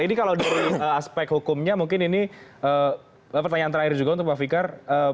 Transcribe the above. ini kalau dari aspek hukumnya mungkin ini pertanyaan terakhir juga untuk pak fikar